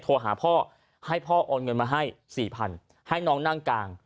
โทรหาพ่อให้พ่อโอนเงินมาให้สี่พันให้น้องนั่งกลาง